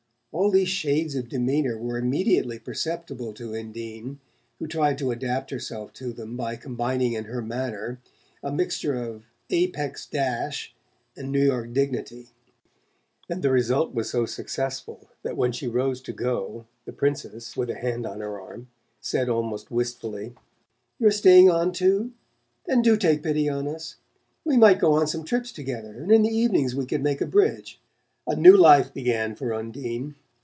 All these shades of demeanour were immediately perceptible to Undine, who tried to adapt herself to them by combining in her manner a mixture of Apex dash and New York dignity; and the result was so successful that when she rose to go the Princess, with a hand on her arm, said almost wistfully: "You're staying on too? Then do take pity on us! We might go on some trips together; and in the evenings we could make a bridge." A new life began for Undine.